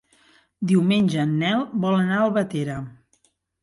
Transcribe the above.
Diumenge en Nel vol anar a Albatera.